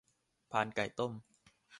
พานไก่ต้ม